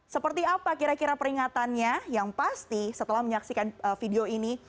seperti apa kira kira peringatannya yang pasti setelah menyaksikan video ini